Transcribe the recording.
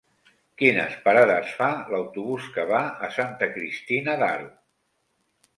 Quines parades fa l'autobús que va a Santa Cristina d'Aro?